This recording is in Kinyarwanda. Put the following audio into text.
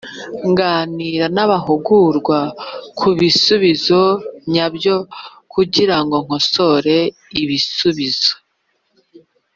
Ganira n abahugurwa ku bisubizo nyabyo kugirango kosore ibisubizo